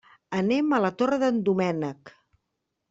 Anem a la Torre d'en Doménec.